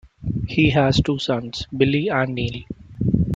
He has two sons Billy and Neal.